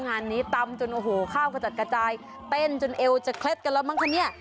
งานนี้ตำจนข้าก็จะกระจายเต้นจนเอวจะเคล็ดกันแล้วบ้างค่ะนี่